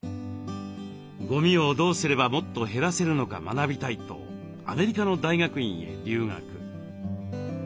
ゴミをどうすればもっと減らせるのか学びたいとアメリカの大学院へ留学。